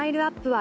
は